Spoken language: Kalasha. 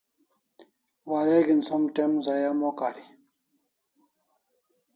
Wareg'in som te'm zaya mo kari